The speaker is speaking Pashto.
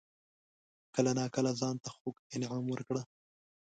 کله ناکله ځان ته خوږ انعام ورکړه.